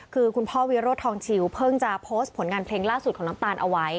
คือคุณพ่อวิโรธทองชิวเพิ่งจะโพสต์ผลงานเพลงล่าสุดของน้ำตาลเอาไว้